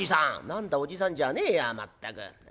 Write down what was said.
「何だおじさんじゃねえやまったく。